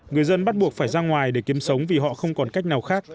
người dân bắt buộc phải ra ngoài để kiếm sống vì họ không còn cách nào khác